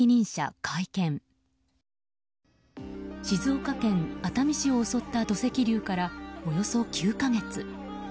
静岡県熱海市を襲った土石流からおよそ９か月。